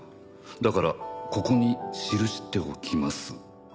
「だからここに記しておきます」